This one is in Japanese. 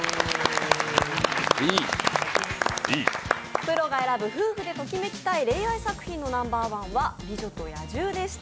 プロが選ぶ夫婦でときめきたい恋愛作品のナンバーワンは「美女と野獣」でした。